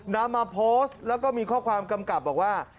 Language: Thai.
นำมาโพสต์แล้วก็มีข้อความกำกับบอกว่า